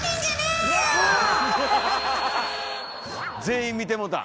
⁉全員見てもうた。